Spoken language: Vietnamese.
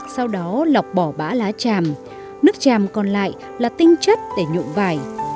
sau đó lọc bỏ bã lá tràm nước chàm còn lại là tinh chất để nhuộm vải